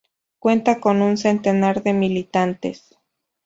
Cuenta con un centenar de militantes.